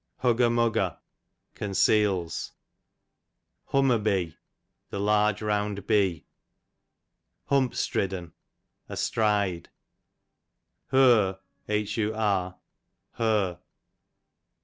Hugger mugger, conceals, Hummobee, the large round bee. Humpstridd'n, a stride. Hur, her.